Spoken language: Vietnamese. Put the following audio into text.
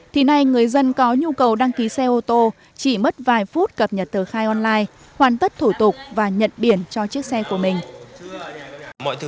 thì nay người dân có nhu cầu đăng ký xe ô tô chỉ mất vài phút cập nhật tờ khai online hoàn tất thủ tục và nhận biển cho chiếc xe của mình